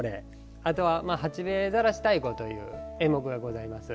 あとは「八兵衛晒太鼓」という演目があります。